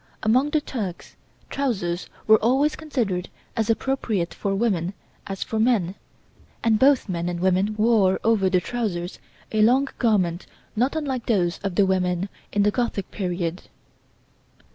Among the Turks, trousers were always considered as appropriate for women as for men, and both men and women wore over the trousers, a long garment not unlike those of the women in the Gothic period.